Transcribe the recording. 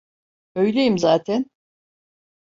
Öyleyim zaten.